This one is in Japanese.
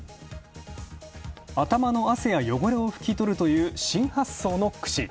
頭の汗や汚れをふき取るという新発想のくし。